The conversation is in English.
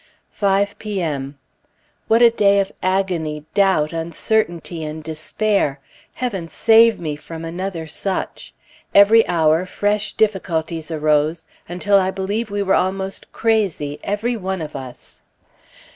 5 P.M. What a day of agony, doubt, uncertainty, and despair! Heaven save me from another such! Every hour fresh difficulties arose, until I believe we were almost crazy, every one of us.